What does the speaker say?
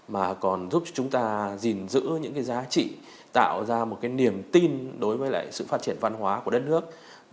mà còn giúp chúng ta gìn giữ những cái giá trị tạo ra một cái niềm tin đối với lại sự phát triển văn hóa của đất nước